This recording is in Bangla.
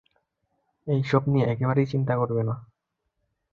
এইসব নিয়ে একেবারেই চিন্তা করবে না।